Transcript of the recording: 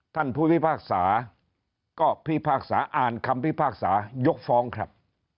ท่านผู้พิพากษาก็พิพากษาอ่านคำพิพากษายกฟ้องครับ